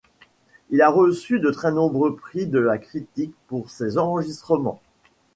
Il a reçu de très nombreux prix de la critique pour ses enregistrements.